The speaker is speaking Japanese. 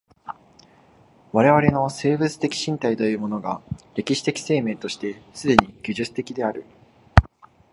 我々の生物的身体というものが歴史的生命として既に技術的である。